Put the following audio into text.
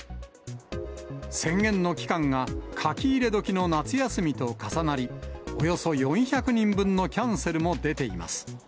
宣言の期間が書き入れ時の夏休みと重なり、およそ４００人分のキャンセルも出ています。